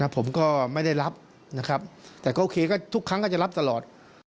ผมก็ไม่ได้รับนะครับแต่ก็โอเคก็ทุกครั้งก็จะรับตลอด